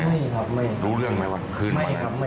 ไม่ครับไม่ครับ